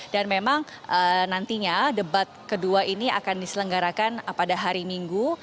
dan memang nantinya debat kedua ini akan diselenggarakan pada hari minggu